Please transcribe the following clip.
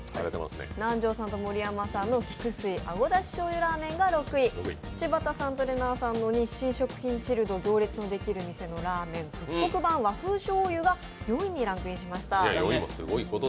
南條さんと盛山さんの菊水あごだし醤油らーめんが６位、柴田さんとれなぁさんの日清食品チルド、行列のできる店のラーメン復刻版和風しょうゆが４位にランクインしました。